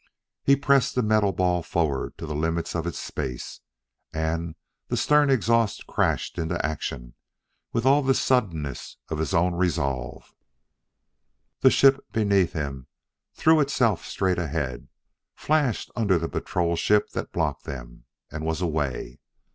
He pressed the metal ball forward to the limit of its space, and the stern exhaust crashed into action with all the suddenness of his own resolve. The ship beneath him threw itself straight ahead, flashed under the patrol ship that blocked them, and was away.